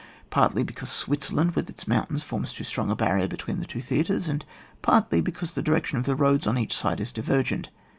Partiy because Switzerland, with its mountains, forms too strong a barrier between the two theatres, and partly because the direction of the roads on each side is divergent.